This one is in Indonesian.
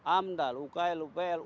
amdal ukl upl